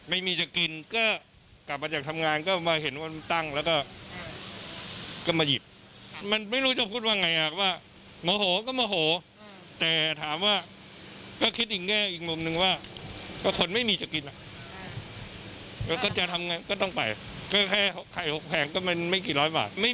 ไม่มีก็พูดว่าไม่มีมาขอก็ได้